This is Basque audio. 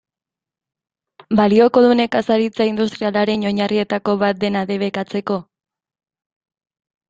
Balioko du nekazaritza industrialaren oinarrietako bat dena debekatzeko?